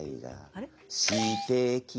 あれ？